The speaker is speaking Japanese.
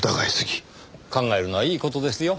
考えるのはいい事ですよ。